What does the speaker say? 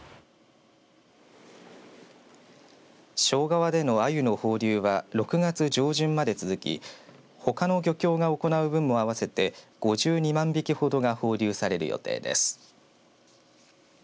庄川でのアユの放流は６月上旬まで続きほかの漁協が行う分も合わせて５２万匹ほどが放流される予定です。